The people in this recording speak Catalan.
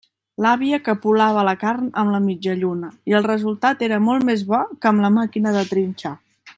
L'àvia capolava la carn amb la mitjalluna, i el resultat era molt més bo que amb la màquina de trinxar.